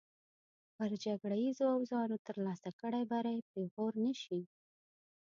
پر جګړیزو اوزارو ترلاسه کړی بری پېغور نه شي.